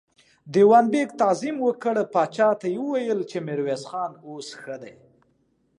دېوان بېګ تعظيم وکړ، پاچا ته يې وويل چې ميرويس خان اوس ښه دی.